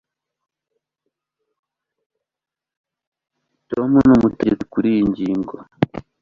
Tom ni umutegetsi kuriyi ngingo